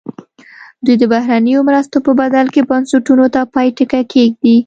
دوی د بهرنیو مرستو په بدل کې بنسټونو ته پای ټکی کېږدي.